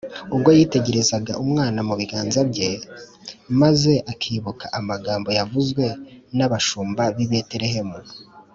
Ubwo yitegerezaga umwana mu biganza bye, maze akibuka amagambo yavuzwe n’abashumba b’i Beterehemu